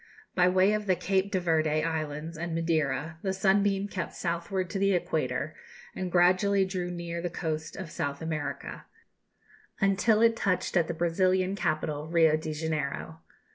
By way of the Cape de Verde Islands and Madeira, the Sunbeam kept southward to the Equator, and gradually drew near the coast of South America, until it touched at the Brazilian capital, Rio de Janeiro.